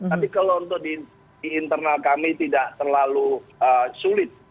tapi kalau untuk di internal kami tidak terlalu sulit